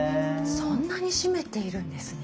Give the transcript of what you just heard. そんなに占めているんですね。